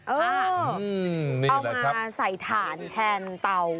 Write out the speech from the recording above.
เออเอามาใส่ฐานแทนเตา